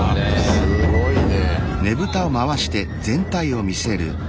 すごいね。